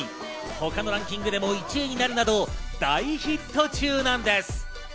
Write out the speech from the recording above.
他のランキングでも１位になるなど大ヒット中なんです。